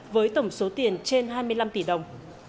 với tổng số tiền trên hai mươi năm tỷ đồng